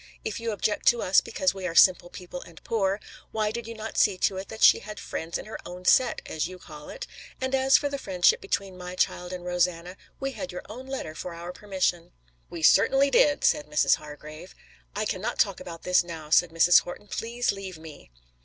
If you object to us because we are simple people and poor, why did you not see to it that she had friends in her 'own set' as you call it? And as for the friendship between my child and Rosanna, we had your own letter for our permission." "We certainly did," said Mrs. Hargrave. "I cannot talk about this now," said Mrs. Horton. "Please leave me."